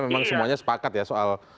memang semuanya sepakat ya soal